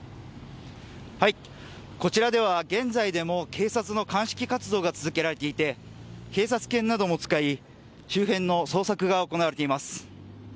こちらでは現在も警察の鑑識活動が続けられていて警察犬なども使い周辺の捜索が行われています。